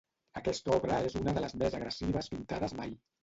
Aquesta obra és una de les més agressives pintades mai.